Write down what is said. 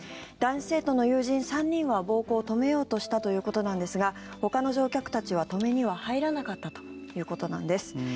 男子生徒の友人３人は暴行を止めようとしたということなんですがほかの乗客たちは止めには入らなかったということなんです。